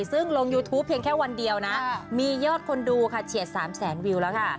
ซึ่งลงยูทูปเพียงแค่วันเดียวนะมียอดคนดูค่ะเฉียด๓แสนวิวแล้วค่ะ